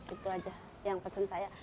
itu aja yang pesan saya